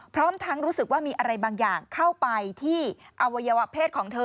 พร้อมทั้งรู้สึกว่ามีอะไรบางอย่างเข้าไปที่อวัยวะเพศของเธอ